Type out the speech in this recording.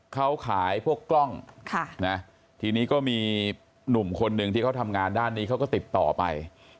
เขาขายพวกกล้องทีนี้ก็มีหนุ่มคนหนึ่งที่เขาทำงานด้านนี้เขาก็ติดต่อไป